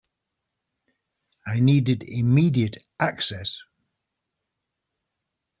I needed immediate access.